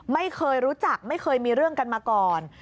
ไม่เคยรู้จักไม่เคยมีเรื่องกันมาก่อน